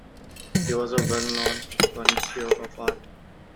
He was a well-known connoisseur of art.